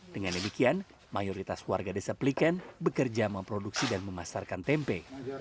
dengan demikian mayoritas warga desa pliken bekerja memproduksi dan memasarkan tempe